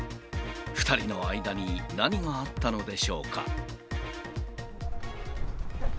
２人の間に何があったのでしょうか。